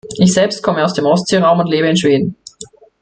Ich selbst komme aus dem Ostseeraum und lebe in Schweden.